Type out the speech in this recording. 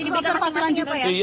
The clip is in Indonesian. oke berarti ini observasi lanjutan ya